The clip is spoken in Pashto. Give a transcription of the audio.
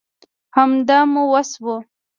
همدا مو وس وو